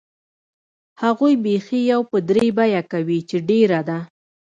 هغوی بیخي یو په درې بیه کوي چې ډېره ده.